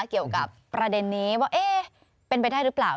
เกี่ยวกับประเด็นนี้ว่าเป็นไปได้หรือเปล่า